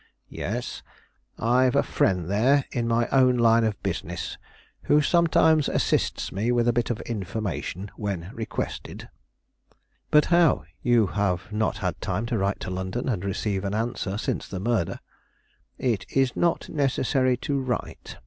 "Yes; I've a friend there in my own line of business, who sometimes assists me with a bit of information, when requested." "But how? You have not had time to write to London, and receive an answer since the murder." "It is not necessary to write.